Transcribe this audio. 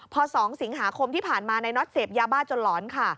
พอ๒สิงหาคมที่ผ่านมานายน็อตเสพยาบ้าจนหลอนค่ะ